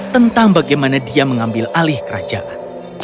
tentang bagaimana dia mengambil alih kerajaan